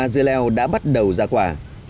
dưa leo đã bắt đầu ra quả